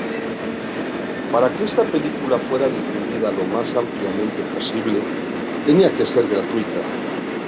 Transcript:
Para que esta película fuera difundida lo más ampliamente posible, tenía que ser gratuita.